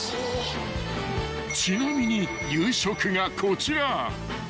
［ちなみに夕食がこちら］